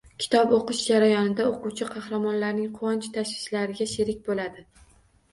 Kitob o‘qish jarayonida o‘quvchi qahramonlarning quvonchu tashvishlariga sherik bo‘ladi.